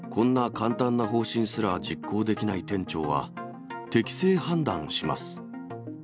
こんな簡単な方針すら実行できない店長は、適性判断します。